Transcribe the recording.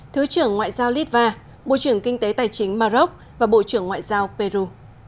thứ trưởng ngoại giao litva bộ trưởng kinh tế tài chính maroc và bộ trưởng ngoại giao peru